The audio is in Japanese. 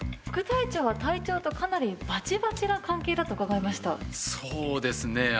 副隊長は隊長とかなりバチバチな関係だと伺いましたそうですね